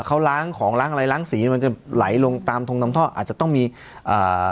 เขาล้างของล้างอะไรล้างสีมันจะไหลลงตามทงนำท่ออาจจะต้องมีอ่า